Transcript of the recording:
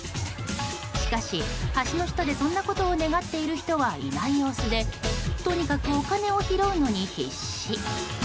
しかし、橋の下でそんなことを願っている人はいない様子でとにかくお金を拾うのに必死。